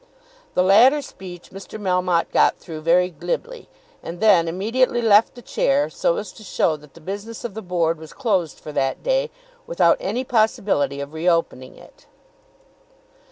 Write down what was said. The latter speech Mr. Melmotte got through very glibly, and then immediately left the chair, so as to show that the business of the Board was closed for that day without any possibility of reopening it.